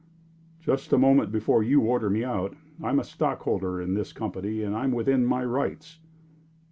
"Just a moment before you order me out. I'm a stockholder in this company, and I am within my rights."